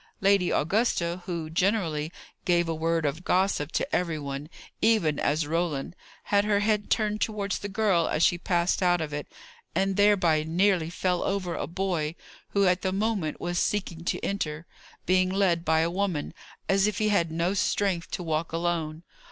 Lady Augusta, who generally gave a word of gossip to every one, even as Roland, had her head turned towards the girl as she passed out of it, and thereby nearly fell over a boy who at the moment was seeking to enter, being led by a woman, as if he had no strength to walk alone.